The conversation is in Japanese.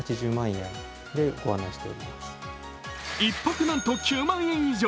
１泊なんと９万円以上。